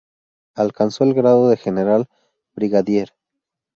Alcanzó el Grado de General Brigadier.